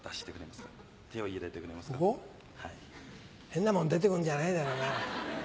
変なもの出て来るんじゃないだろうな。